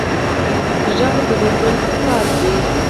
غږ د بلبل ساز دی